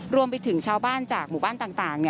รวมไปถึงชาวบ้านจากหมู่บ้านต่าง